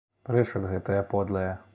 Прэч ад гэтае подлае!